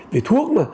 về thuốc mà